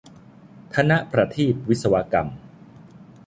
ธนประทีปวิศวกรรม